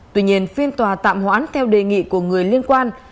tuy nhiên phiên tòa tạm hoãn theo đề nghị của người liên quan